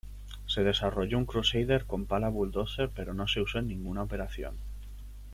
Se desarrolló un Crusader con pala bulldozer pero no se usó en ninguna operación.